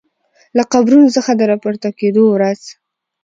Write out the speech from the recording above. له قبرونو څخه د راپورته کیدو ورځ